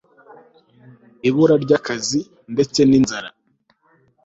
ibura ry' akazi, ndetse n' inzara